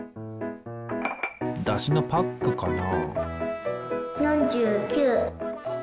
だしのパックかな？